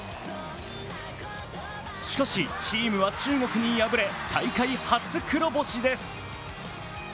しかしチームは中国に敗れ、大会初黒星です。